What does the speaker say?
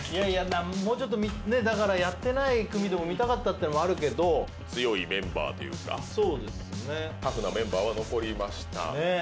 もうちょっとやってない組でも見たかったってのもあるけど強いメンバーというかそうですねタフなメンバーは残りました